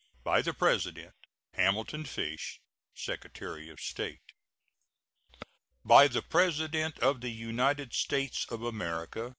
By the President: HAMILTON FISH, Secretary of State. BY THE PRESIDENT OF THE UNITED STATES OF AMERICA.